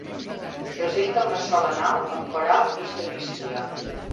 Presenta una sola nau amb cor alt i sagristia.